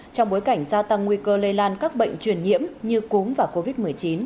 trong bối cảnh gia tăng nguy cơ lây lan các bệnh truyền nhiễm như cúm và covid một mươi chín